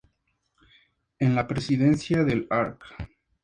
En la presidencia del Arq.